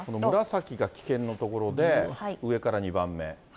紫が危険な所で、上から２番目。